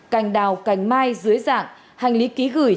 cảnh đào cảnh mai dưới dạng hành lý ký gửi